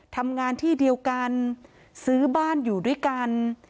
ทำงานที่เดียวกันซื้อบ้านอยู่ด้วยกัน